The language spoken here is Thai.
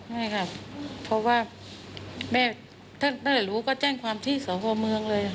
ไม่ค่ะเพราะว่าแม่ถ้าได้รู้ก็แจ้งความที่สพเมืองเลย